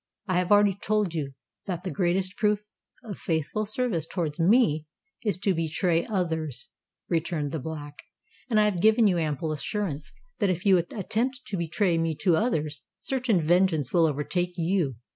"I have already told you that the greatest proof of faithful service towards me is to betray others," returned the Black; "and I have given you ample assurance that if you attempt to betray me to others, certain vengeance will overtake you."